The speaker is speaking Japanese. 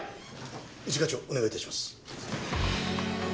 一課長お願い致します。